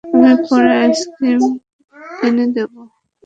আমি পরে আইসক্রিম এনে দেব।